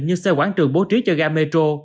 như xe quảng trường bố trí cho gà metro